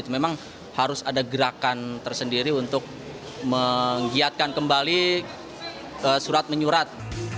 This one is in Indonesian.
memang harus ada gerakan tersendiri untuk menggiatkan kembali surat menyurat